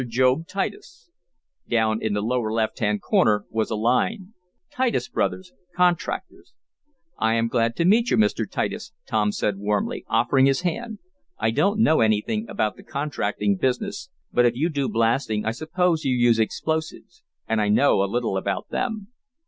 JOB TITUS Down in the lower left hand corner was a line: "Titus Brothers, Contractors." "I am glad to meet you, Mr. Titus," Tom said warmly, offering his hand. "I don't know anything about the contracting business, but if you do blasting I suppose you use explosives, and I know a little about them."